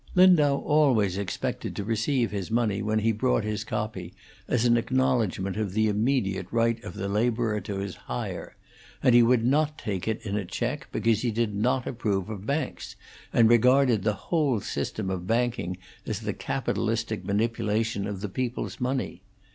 Lindau always expected to receive his money when he brought his copy, as an acknowledgment of the immediate right of the laborer to his hire; and he would not take it in a check because he did not approve of banks, and regarded the whole system of banking as the capitalistic manipulation of the people's money.